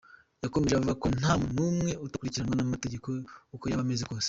Yakomeje avuga ko nta muntu n’umwe utakurikiranwa n’amategeko uko yaba ameze kose.